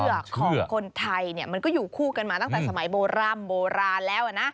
ของคนไทยเนี่ยมันก็อยู่คู่กันมาตั้งแต่สมัยโบร่ำโบราณแล้วนะ